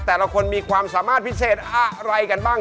แต่ละคนมีความสามารถพิเศษอะไรกันบ้าง